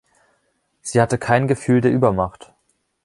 Sie hatte kein Gefühl der Übermacht.